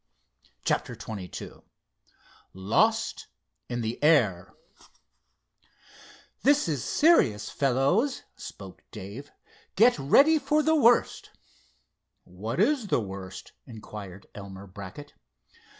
CHAPTER XXII LOST IN THE AIR "This is serious, fellows," spoke Dave. "Get ready for the worst." "What is the worst?" inquired Elmer Brackett.